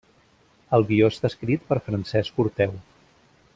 El guió està escrit per Francesc Orteu.